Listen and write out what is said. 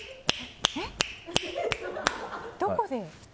どこで？